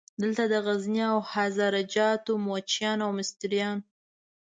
دلته د غزني او هزاره جاتو موچیان او مستریان.